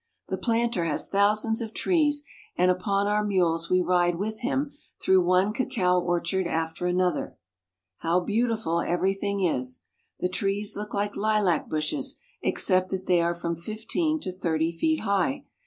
The planter has thousands of trees, and upon our mules we ride with him ^^^° through one cacao orchard after another. How beautiful everything is! The trees look Uke Hlac bushes, except that they are from fifteen to thirty feet high.